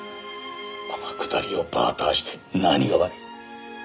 天下りをバーターして何が悪い？